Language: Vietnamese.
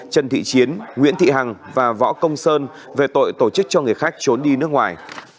trần thị chiến nguyễn thị hằng và võ công sơn về tội tổ chức cho người khách trốn đi nước ngoài